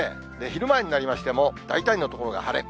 昼前になりましても、大体の所が晴れ。